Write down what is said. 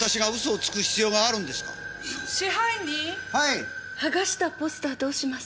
はがしたポスターどうします？